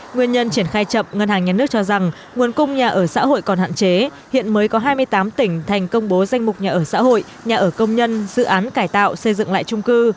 nguyên nhân triển khai chậm ngân hàng nhà nước cho rằng nguồn cung nhà ở xã hội còn hạn chế hiện mới có hai mươi tám tỉnh thành công bố danh mục nhà ở xã hội nhà ở công nhân dự án cải tạo xây dựng lại trung cư